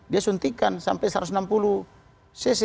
dia suntikan sampai satu ratus enam puluh cc